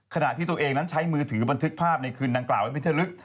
ขณะที่ตัวเองนั้นใช้มือถือบันทึกภาพในคืนดังกล่าวไว้เป็นที่ลึก